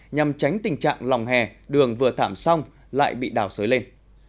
nhằm tránh tình trạng lòng hè đường vừa thảm xong lại bị đào sới lên